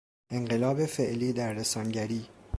انقلاب فعلی در رسانگری